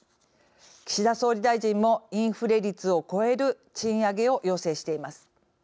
岸田総理大臣もインフレ率を超える賃上げを要請しています。